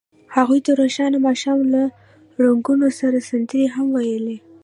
هغوی د روښانه ماښام له رنګونو سره سندرې هم ویلې.